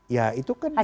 ya itu kan dinamika